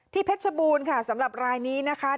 ที่เพชรบูนค่ะสำหรับลายนี้นะคะ